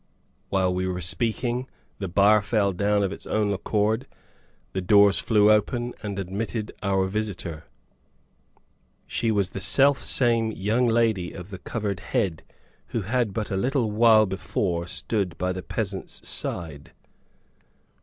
While we were speaking, the bar fell down of its own accord, the doors flew open and admitted our visitor. She was the selfsame young lady of the covered head who had but a little while before stood by the peasant's side.